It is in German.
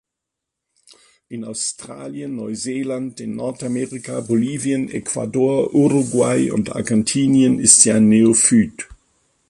In Australien, Neuseeland, in Nordamerika, Bolivien, Ecuador, Uruguay und Argentinien ist sie ein Neophyt.